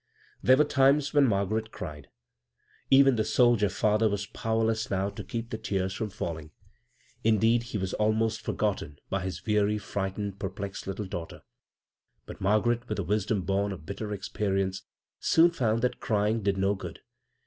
There wok times wbax Margaret cried. b,G(>6^'le CROSS CURRENTS Even the soldier father was powerless now to keep the tears trom falling — indeed, he was almost forgotten by his weaiy, frightened, perplexed little daughter. But Margaret, with a wisdom bom of bitter experience, soon found that crying did no good.